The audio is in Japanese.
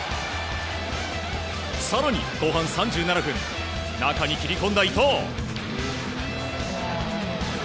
更に、後半３７分中に切り込んだ伊東。